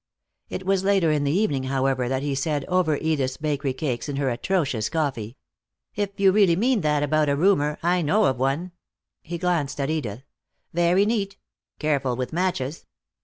It was later in the evening, however, that he said, over Edith's bakery cakes and her atrocious coffee: "If you really mean that about a roomer, I know of one." He glanced at Edith. "Very neat. Careful with matches.